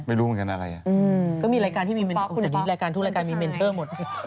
ไม่รู้อย่างนั้นอะไรมีรายการทุกรายการมีเมนเทอร์หมด